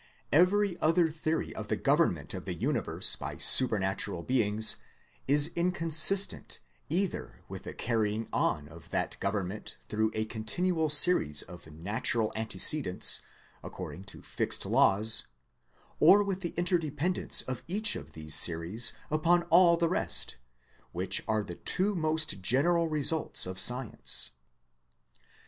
Every other theory of the government of the universe by supernatural beings, is inconsistent either with the carrying on of that government through a continual series of natural antecedents according to fixed laws, or with the interdependence of each of these series upon all the rest, which are the two most general results of science.